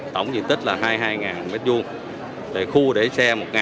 tổng diện tích là hai mươi hai m hai khu để xe một m hai